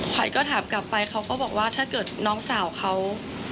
ขวัญก็ถามกลับไปเขาก็บอกว่าถ้าเกิดน้องสาวเขา